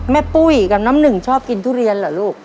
ปุ้ยกับน้ำหนึ่งชอบกินทุเรียนเหรอลูก